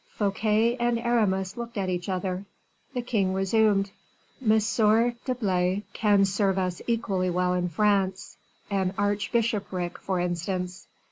Fouquet and Aramis looked at each other. The king resumed: "M. d'Herblay can serve us equally well in France; an archbishopric, for instance."